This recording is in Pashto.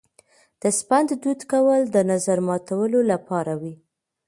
د سپند دود کول د نظر ماتولو لپاره وي.